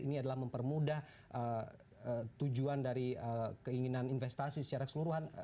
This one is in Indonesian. ini adalah mempermudah tujuan dari keinginan investasi secara keseluruhan